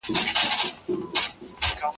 بيا د گلشن خوبونه څه له وينې؟